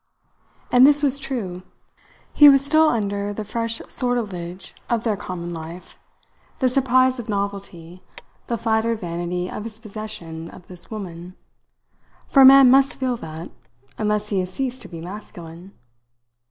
And this was true. He was still under the fresh sortilege of their common life, the surprise of novelty, the flattered vanity of his possession of this woman; for a man must feel that, unless he has ceased to be masculine.